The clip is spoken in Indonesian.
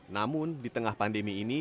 namun di tengah pandemi ini